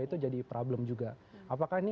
itu jadi problem juga apakah ini